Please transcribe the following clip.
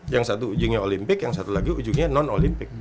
yang satu ujungnya olimpik yang satu lagi ujungnya non olimpik